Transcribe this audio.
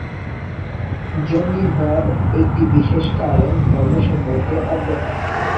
জঙ্গি হওয়ার একটি বিশেষ কারণ ধর্ম সম্পর্কে অজ্ঞতা।